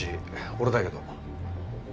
俺だけど。